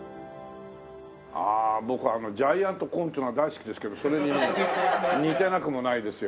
僕はジャイアントコーンというのが大好きですけどそれにね似てなくもないですよ。